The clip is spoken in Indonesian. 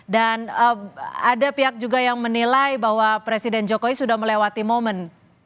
dan ada pihak juga yang menilai bahwa presiden jokowi sudah melewati momen